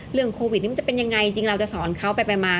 เรื่องโควิดนี้มันจะเป็นยังไงจริงเราจะสอนเขาไปมา